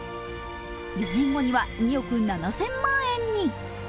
４年後には２億７０００万円に。